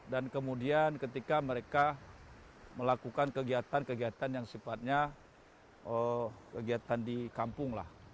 dan kemudian ketika mereka melakukan kegiatan kegiatan yang sifatnya kegiatan di kampung lah